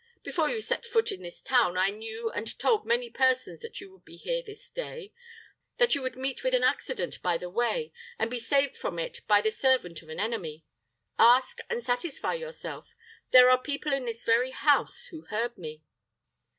Before you set foot in this town, I knew and told many persons that you would be here this day; that you would meet with an accident by the way, and be saved from it by the servant of an enemy. Ask, and satisfy yourself. There are people in this very house who heard me."